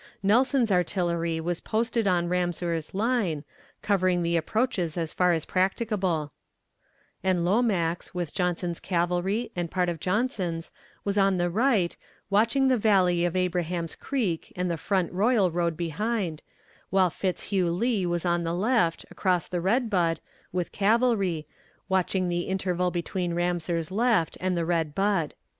Nelson's artillery was posted on Ramseur's line, covering the approaches as far as practicable; and Lomax, with Jackson's cavalry and a part of Johnson's, was on the right, watching the valley of Abraham's Creek and the Front Royal road beyond, while Fitzhugh Lee was on the left, across the Red Bud, with cavalry, watching the interval between Ramseur's left and the Red Bud.